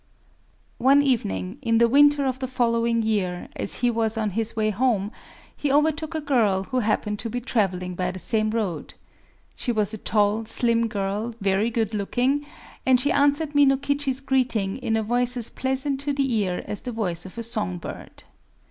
One evening, in the winter of the following year, as he was on his way home, he overtook a girl who happened to be traveling by the same road. She was a tall, slim girl, very good looking; and she answered Minokichi's greeting in a voice as pleasant to the ear as the voice of a song bird.